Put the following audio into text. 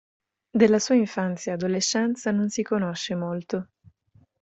Della sua infanzia-adolescenza non si conosce molto.